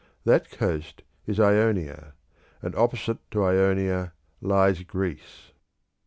That coast is Ionia; and opposite to Ionia lies Greece.